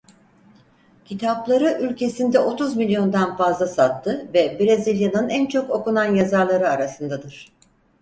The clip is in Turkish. Kitapları ülkesinde otuz milyondan fazla sattı ve Brezilya'nın en çok okunan yazarları arasındadır.